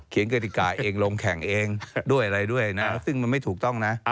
กฎิกาเองลงแข่งเองด้วยอะไรด้วยนะซึ่งมันไม่ถูกต้องนะ